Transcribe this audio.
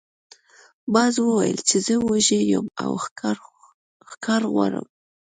باز وویل چې زه وږی یم او ښکار غواړم.